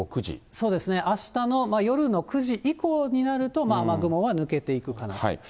そうですね、あしたの夜の９時以降になると、雨雲は抜けていくかなと。